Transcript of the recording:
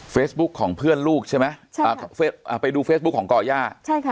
เฟซบุ๊คของเพื่อนลูกใช่ไหมไปดูเฟซบุ๊คของก่อย่า